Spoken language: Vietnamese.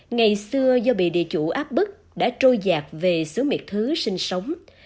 ngày xưa do bị địa chủ áp bức đã trôi giạc về xứ miệt thứ sinh sống